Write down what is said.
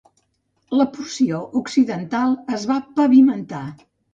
La porció occidental es va pavimentar.